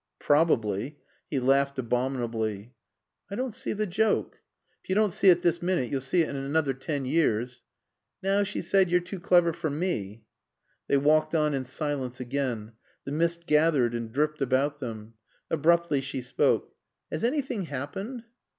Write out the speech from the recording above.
"Probably." He laughed abominably. "I don't see the joke." "If you don't see it this minute you'll see it in another ten years." "Now," she said, "you're too clever for me." They walked on in silence again. The mist gathered and dripped about them. Abruptly she spoke. "Has anything happened?"